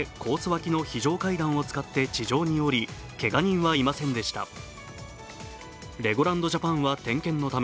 脇の非常階段を使って地上に降り、けが人はいませんでした。